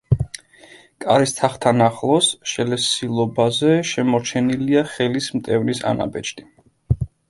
კარის თაღთან ახლოს, შელესილობაზე, შემორჩენილია ხელის მტევნის ანაბეჭდი.